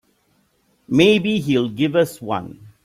Maybe he'll give us one.